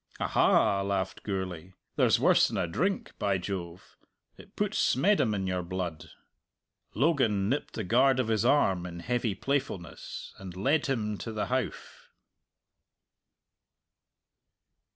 "Aha!" laughed Gourlay, "there's worse than a drink, by Jove. It puts smeddum in your blood!" Logan nipped the guard of his arm in heavy playfulness and led him to the Howff.